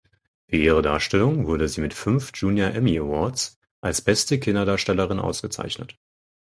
Für ihre Darstellung wurde sie mit fünf Junior Emmy Awards als beste Kinderdarstellerin ausgezeichnet.